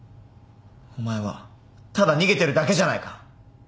お前はただ逃げてるだけじゃないか。